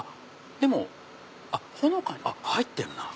でもほのかに入ってるな。